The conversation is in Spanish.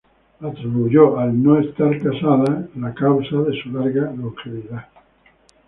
Atribuyó no estar casada como la causa de su larga longevidad.